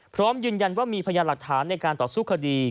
พร้อมยืนยันว่ามีพยานหลักฐานในการต่อสู้คดี